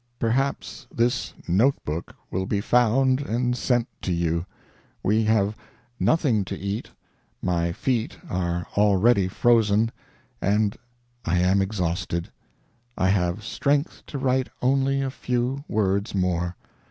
Perhaps this note book will be found and sent to you. We have nothing to eat, my feet are already frozen, and I am exhausted; I have strength to write only a few words more.